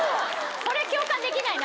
それ共感できないな。